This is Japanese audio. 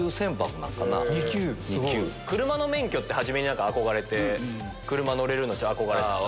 車の免許って初めに憧れて車乗れるの憧れて。